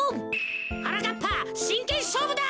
なかっぱしんけんしょうぶだ。